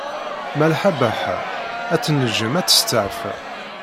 Malḥa Baḥa ad tnejjem ad testeɛfa.